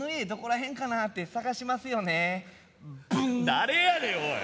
誰やねんおい！